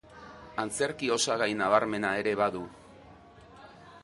Antzerki osagai nabarmena ere badu.